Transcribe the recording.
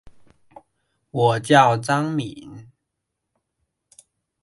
His views concerning education were somewhat peculiar and very original.